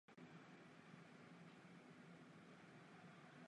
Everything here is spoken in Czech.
Nepoužívají se žádné chemické konzervační látky.